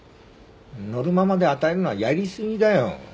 ノルマまで与えるのはやりすぎだよ。